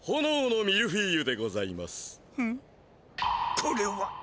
これは！